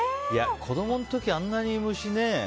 子供の時、あんなに虫ね。